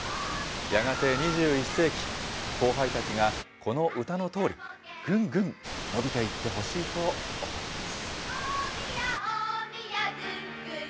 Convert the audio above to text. やがて２１世紀、後輩たちがこの歌のとおり、ぐんぐん伸びていってほしいと思います。